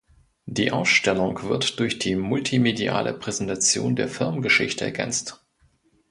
Die Ausstellung wird durch die multimediale Präsentation der Firmengeschichte ergänzt.